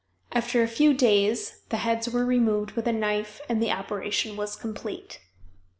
After a few days the heads were removed with a knife and the operation was complete.